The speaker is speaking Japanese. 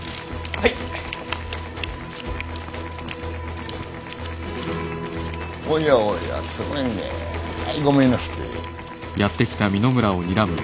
はいごめんなすって。